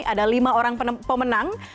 ada lima orang pemenang